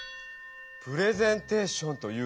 プレゼンテーションというのはね。